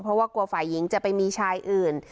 เพราะว่ากลัวฝ่ายหญิงจะไปมีชายอื่น